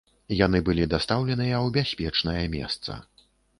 Яны былі дастаўленыя ў бяспечнае месца.